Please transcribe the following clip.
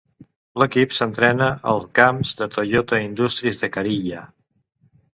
L'equip s'entrena al camps de Toyota Industries de Kariya.